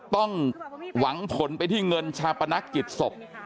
ต้องหวังผลไปที่เงินชาปนักกิจศพ